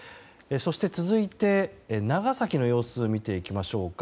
そして、続いて長崎の様子見ていきましょうか。